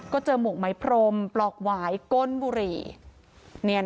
ก็เจอหมุ่งไม้พรมปลอกหวายก้นบุรี